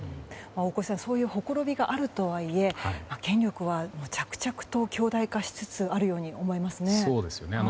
大越さん、そういうほころびがあるとはいえ権力は着々と強大化しつつあるように思いますね。